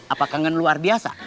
apa kangen luar biasa